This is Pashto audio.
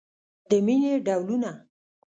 د مینې ډولونه